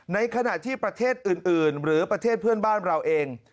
ในขณะที่ประเทศอื่นหรือประเทศเพื่อนบ้านเราเอง